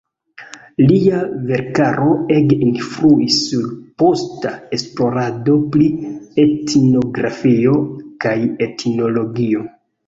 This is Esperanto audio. Lia verkaro ege influis sur posta esplorado pri etnografio kaj etnologio.